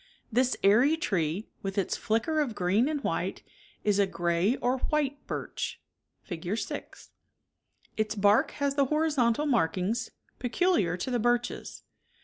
This airy tree with its flicker of green and white is a gray or white birch (Fig. 6). Its bark has 53 the horizontal markings peculiar to the birches.